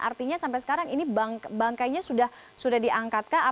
artinya sampai sekarang ini bangkainya sudah diangkatkah